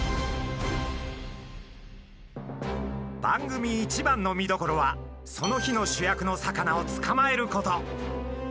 番組一番の見どころはその日の主役の魚を捕まえること。